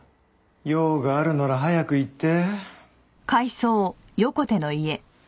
用があるなら早く言って。